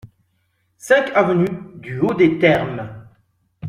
cinq avenue du Haut des Termes